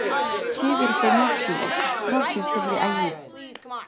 Чевверхи набчивад, набчиб сабри гӀяйиб.